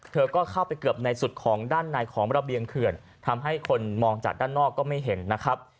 เธอก็เข้าไปเกือบในสุดของด้านในของระเบียงเขื่อนทำให้คนมองจากด้านนอกก็ไม่เห็นนะครับ